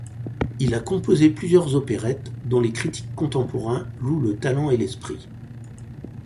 Il a composé plusieurs opérettes, dont les critiques contemporains louent le talent et l'esprit.